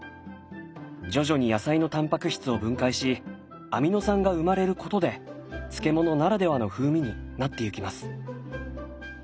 徐々に野菜のタンパク質を分解しアミノ酸が生まれることで漬物ならではの風味になってゆきます。